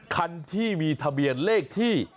คันที่มีทะเบียนเลขที่